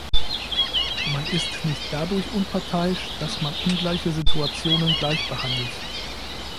Man ist nicht dadurch unparteiisch, dass man ungleiche Situationen gleich behandelt.